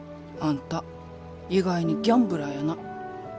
あんた意外にギャンブラーやな。